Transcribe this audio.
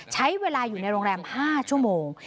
ใช้เวลาอยู่ในโรงแรม๕ชั่วโมง